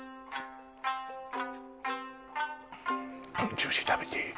ジューシー食べていい？